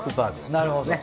なるほど。